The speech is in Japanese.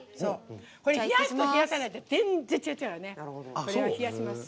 冷やすと冷やさないと全然違うからね。